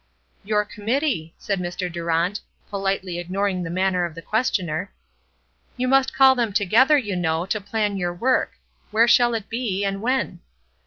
"Your committee," said Mr. Durant, politely ignoring the manner of the questioner. "You must call them together, you know, to plan your work. Where shall it be, and when?"